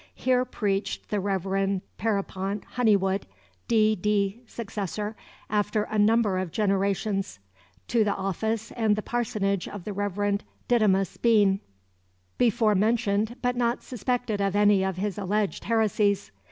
Here preached the Reverend Pierrepont Honeywood, D. D., successor, after a number of generations, to the office and the parsonage of the Reverend Didymus Bean, before mentioned, but not suspected of any of his alleged heresies.